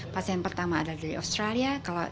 pasien pertama ada dari australia